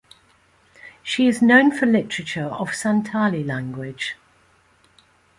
She is known for literature of Santali language.